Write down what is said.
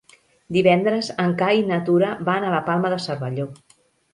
Divendres en Cai i na Tura van a la Palma de Cervelló.